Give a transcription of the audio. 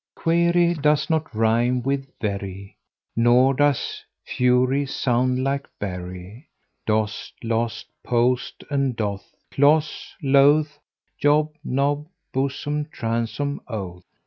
Query does not rime with very, Nor does fury sound like bury. Dost, lost, post and doth, cloth, loth; Job, Job, blossom, bosom, oath.